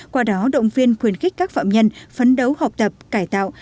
qua đó động viên khuyên khích các phạm nhân phấn đấu học tập cải tạo